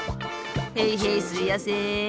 へいへいすいやせん。